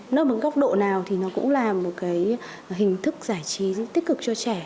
nói bằng góc độ nào thì nó cũng là một hình thức giải trí tích cực cho trẻ